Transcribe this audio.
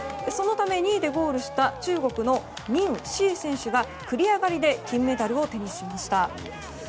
そのため２位でゴールした中国のニン・シイ選手が繰り上がりで金メダルを手にしました。